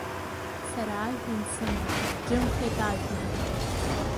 Сара ажәҩан сымоуп, џьымхеит, ажәҩан!